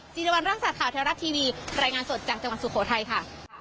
สิรวรรณร่างสาธารณ์แท้รับทีวีรายงานสดจากจังหวัดสุโขทัยค่ะ